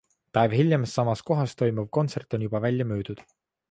Päev hiljem samas kohas toimuv kontsert on juba välja müüdud.